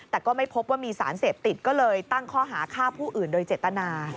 แต่ก็ไม่พบว่ามีสารเสพติดก็เลยตั้งข้อหาฆ่าผู้อื่นโดยเจตนา